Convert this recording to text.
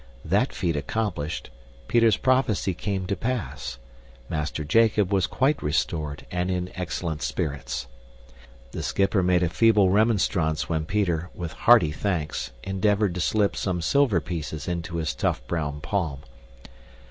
That feat accomplished, Peter's prophecy came to pass. Master Jacob was quite restored and in excellent spirits. The schipper made a feeble remonstrance when Peter, with hearty thanks, endeavored to slip some silver pieces into his tough brown palm.